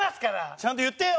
ちゃんと言ってよ！